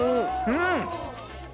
うん！